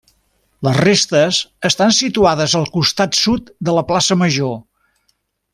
Les restes estan situades al costat sud de la plaça Major.